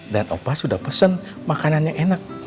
dan opa sudah pesen makanan yang enak